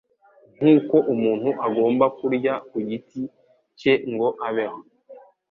Nk'uko umuntu agomba kurya ku giti cye ngo abeho;